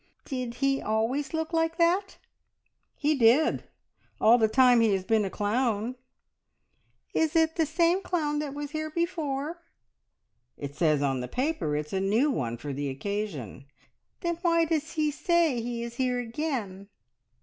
"Did he always look like that?" "He did all the time he has been a clown." "Is it the same clown that was here before?" "It says on the paper it's a new one for the occasion." "Then why does he say he is here again?"